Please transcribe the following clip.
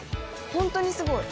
本当にすごい。